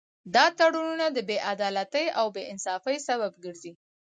دا تړونونه د بې عدالتۍ او بې انصافۍ سبب ګرځي